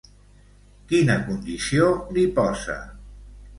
Quina condició li posa?